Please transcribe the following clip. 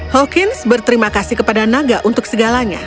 hawkins berterima kasih kepada naga untuk segalanya